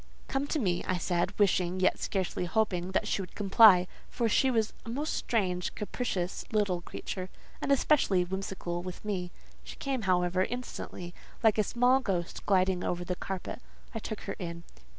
"Come to me," I said, wishing, yet scarcely hoping, that she would comply: for she was a most strange, capricious, little creature, and especially whimsical with me. She came, however, instantly, like a small ghost gliding over the carpet. I took her in.